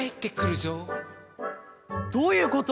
どういうこと？